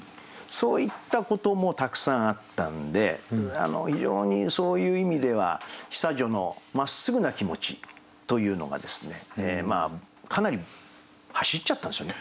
そういったこともたくさんあったんで非常にそういう意味では久女のまっすぐな気持ちというのがかなり走っちゃったんですよね。